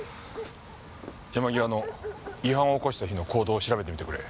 山際の違反を起こした日の行動を調べてみてくれ。